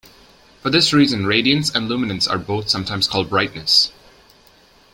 For this reason, radiance and luminance are both sometimes called "brightness".